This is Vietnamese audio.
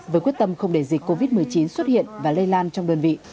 với quyết tâm không để dịch covid một mươi chín xuất hiện và lây lan trong đơn vị